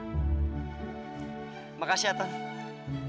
selamat ulang tahun ya pa